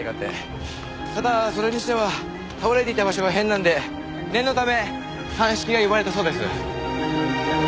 ただそれにしては倒れていた場所が変なんで念のため鑑識が呼ばれたそうです。